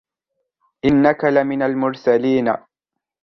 إنك لمن المرسلين